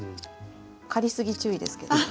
刈りすぎ注意ですけどね。